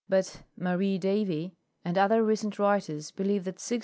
but Marie Davy and other recent writers believe that 6° C.